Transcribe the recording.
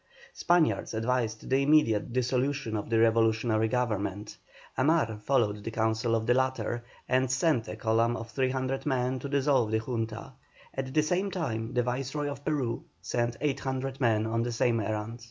Spaniards advised the immediate dissolution of the revolutionary government. Amar followed the counsel of the latter, and sent a column of 300 men to dissolve the Junta; at the same time the Viceroy of Peru sent 800 men on the same errand.